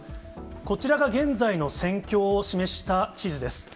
こちらが現在の戦況を示した地図です。